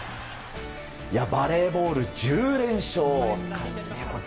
バレーボール、１０連勝。